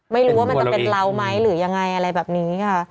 ไม่รู้ว่ามันจะเป็นเราไหมหรือยังไงอะไรแบบนี้ค่ะ